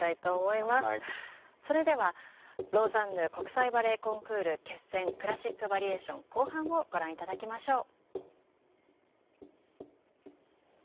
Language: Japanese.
それではローザンヌ国際バレエコンクール決選クラシック・バリエーション後半をご覧頂きましょう。